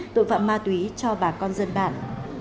tội phạm ma túy cho bà con dân bạn